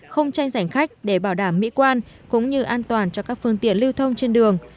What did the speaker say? không tranh giành khách để bảo đảm mỹ quan cũng như an toàn cho các phương tiện lưu thông trên đường